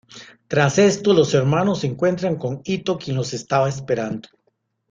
Tras esto, los hermanos se encuentran con Ittō, quien los estaba esperando.